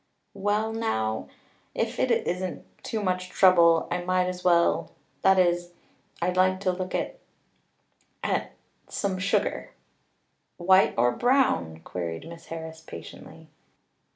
"Well now if it isn't too much trouble I might as well that is I'd like to look at at some sugar." "White or brown?" queried Miss Harris patiently.